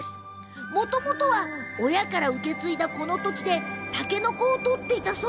もともとは親から継いだこの土地でたけのこを採っていたそう。